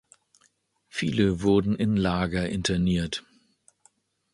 Viele wurden in Lager interniert.